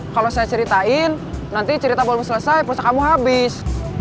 kalau saya ceritain nanti cerita baru selesai pulsa kamu habis